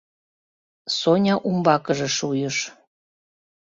Соня умбакыже шуйыш: